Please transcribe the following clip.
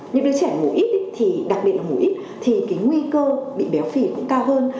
những đứa trẻ ngủ ít thì đặc biệt là mũi ít thì cái nguy cơ bị béo phì cũng cao hơn